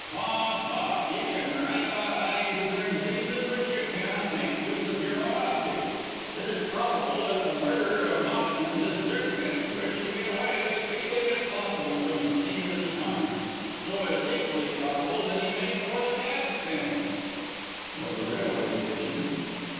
"Bob! Bob! You can write about eyes and their diseases, but you cannot make use of your own optics. It is probable that the murderer of Moxton, this Zirknitz, wished to get away as speedily as possible from the scene of his crime, so it is equally probable that he made for the cab stand." "Or the railway station."